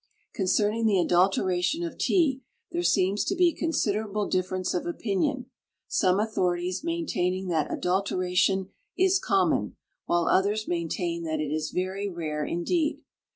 Concerning the adulteration of tea there seems to be considerable difference of opinion, some authorities maintaining that adulteration is common, while others maintain that it is very rare, indeed.